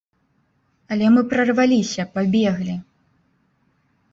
Але мы прарваліся, пабеглі.